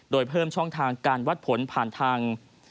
โดยเพิ่มช่องทางการวัดผลผ่านทาง